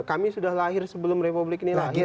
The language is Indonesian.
kami sudah lahir sebelum republik ini lahir